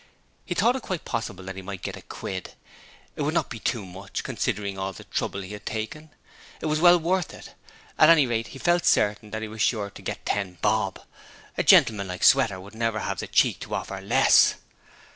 He thought it quite possible that he might get a quid: it would not be too much, considering all the trouble he had taken. It was well worth it. At any rate, he felt certain that he was sure to get ten bob; a gentleman like Mr Sweater would never have the cheek to offer less.